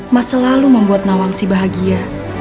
mas selalu membuat nawangsi bahagia